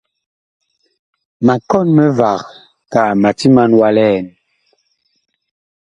Ma kɔn mivag akaa ma timan wa li ɛn.